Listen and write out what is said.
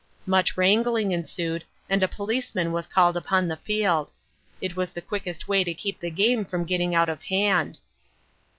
Much wrangling ensued and a policeman was called upon the field. It was the quickest way to keep the game from getting out of hand.